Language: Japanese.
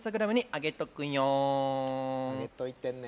上げといてね。